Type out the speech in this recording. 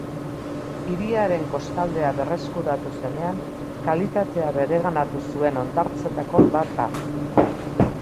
Hiriaren kostaldea berreskuratu zenean kalitatea bereganatu zuen hondartzetako bat da.